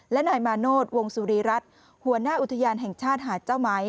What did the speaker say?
และนายมาโนธวงสุรีรัฐหัวหน้าอุทยานแห่งชาติหาดเจ้าไหม